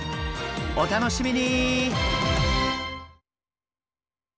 お楽しみに！